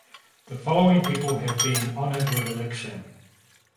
The following people have been honored with election.